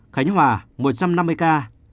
khánh hòa một trăm năm mươi ca